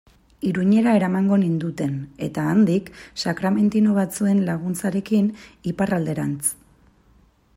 Iruñera eramango ninduten, eta handik, sakramentino batzuen laguntzarekin, Iparralderantz.